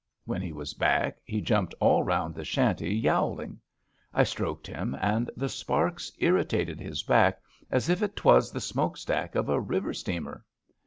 When he was back, he jumped all rpund the shanty yowling. I stroked him, and the sparks irrigated his back as if 'twas the smoke stack of a river steamer.